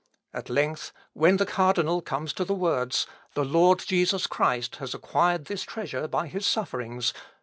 At length, when the cardinal comes to the words, "The Lord Jesus Christ has acquired this treasure by his sufferings